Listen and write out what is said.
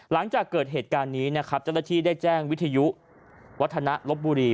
หลังจากเกิดเหตุการณ์นี้นะครับเจ้าหน้าที่ได้แจ้งวิทยุวัฒนะลบบุรี